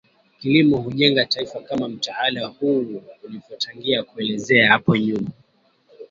Kilimo hujenga taifaKama mtaala huu ulivotangulia kuelezea hapo nyuma